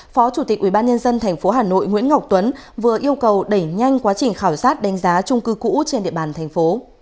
phó chủ tịch ubnd tp hà nội nguyễn ngọc tuấn vừa yêu cầu đẩy nhanh quá trình khảo sát đánh giá trung cư cũ trên địa bàn thành phố